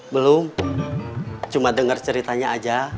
belum cuma dengar ceritanya aja